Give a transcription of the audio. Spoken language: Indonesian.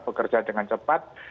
bekerja dengan cepat